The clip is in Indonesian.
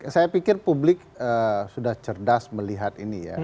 saya pikir publik sudah cerdas melihat ini ya